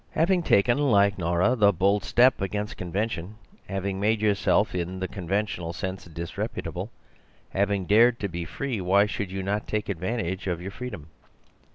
Having taken, like Nora, the bold step against convention, having made yourself in the conventional sense disreputable, having dared to be free, why should you not take advantage of your freedom?